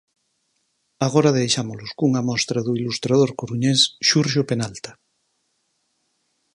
Agora deixámolos cunha mostra do ilustrador coruñés Xurxo Penalta.